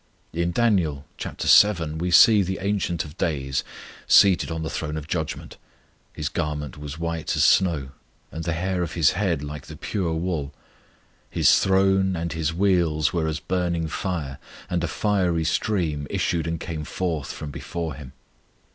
In Dan. vii. we see the Ancient of Days seated on the throne of judgment; His garment was white as snow, and the hair of His head like the pure wool; His throne and His wheels were as burning fire, and a fiery stream issued and came forth from before Him.